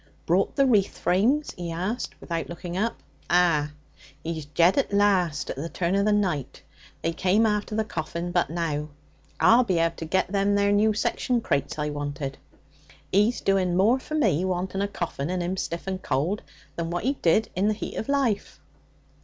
'Brought the wreath frames?' he asked, without looking up. 'Ah.' 'He's jead at last. At the turn of the night. They came after the coffin but now. I'll be able to get them there new section crates I wanted. He's doing more for me, wanting a coffin, and him stiff and cold, than what he did in the heat of life.'